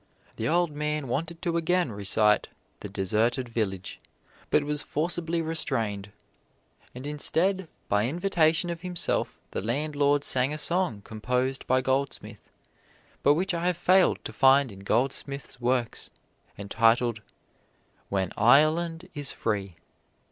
The old man wanted to again recite "The Deserted Village," but was forcibly restrained. And instead, by invitation of himself, the landlord sang a song composed by Goldsmith, but which I have failed to find in Goldsmith's works, entitled, "When Ireland Is Free."